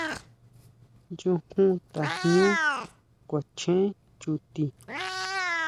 Nyujun tajñú kuachen chuti.